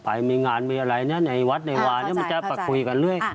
ไปมีงานมีอะไรในวัดในวามันจะไปคุยกันเรื่อย